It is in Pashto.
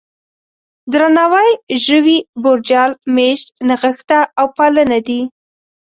درناوی، ژوي، بورجل، مېشت، نغښته او پالنه دي.